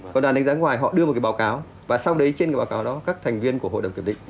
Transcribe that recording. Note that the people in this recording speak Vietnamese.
còn đoàn đánh giá ngoài họ đưa một báo cáo và sau đấy trên cái báo cáo đó các thành viên của hội đồng kiểm định